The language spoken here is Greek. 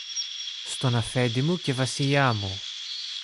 Στον Αφέντη μου και Βασιλιά μου